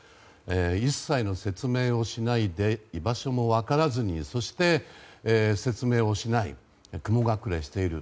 一切の説明をしないで居場所も分からずにそして、説明をしない雲隠れしている。